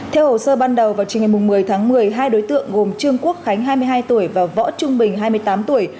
theo hồ sơ ban đầu vào chiều ngày một mươi tháng một mươi hai đối tượng gồm trương quốc khánh hai mươi hai tuổi và võ trung bình hai mươi tám tuổi